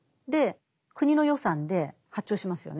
国の予算で発注しますよね。